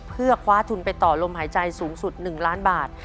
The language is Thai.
เพื่อคว้าทุนไปต่อลมหายใจสูงสุด๑ล้านบาท